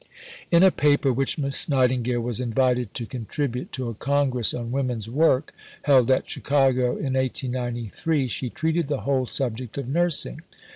In a Paper which Miss Nightingale was invited to contribute to a Congress on Women's Work, held at Chicago in 1893, she treated the whole subject of nursing.